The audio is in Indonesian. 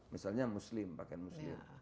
misalnya muslim pakaian muslim